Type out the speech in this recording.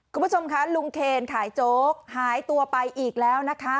คุณผู้ชมคะลุงเคนขายโจ๊กหายตัวไปอีกแล้วนะคะ